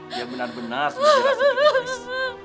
biar benar benar sudah jelas itu yang harus